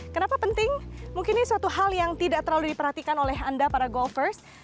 kenapa penting mungkin ini suatu hal yang tidak terlalu diperhatikan oleh anda para golfers